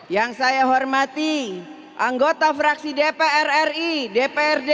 yang saya hormati anggota fraksi dpr ri dprd